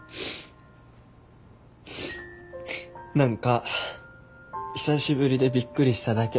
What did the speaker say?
何か久しぶりでびっくりしただけ。